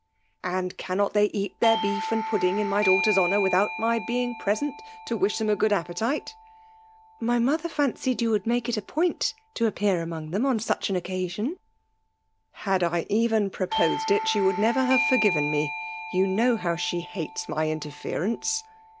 ^* And cannot they eat their beef and pud ding, in my daughter's honour, without my being pvesent to i^h them tt good appetite ?^' My mother &ncied yon would ma]ce it a poimt to appear among them on such an occa aiom/' ^ Had I even proposed it, she would never 1^ V5MAU IXmiMATIOH. Imve forgiven me Yom know how she hates my interfermfee."